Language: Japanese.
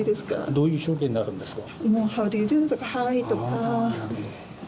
どういう表現になるんですか？